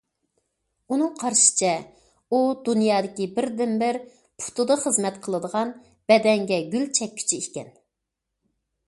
ئۇنىڭ قارىشىچە، ئۇ دۇنيادىكى بىردىنبىر پۇتىدا خىزمەت قىلىدىغان بەدەنگە گۈل چەككۈچى ئىكەن.